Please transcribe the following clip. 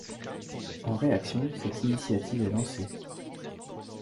En réaction, cette initiative est lancée.